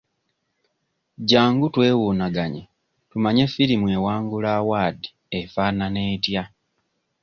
Jjangu twewuunaganye tumanye firimu ewangula awaadi efaanana etya?